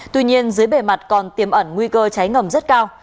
tuy nhiên dưới bề mặt còn tiềm ẩn nguy cơ cháy ngầm rất cao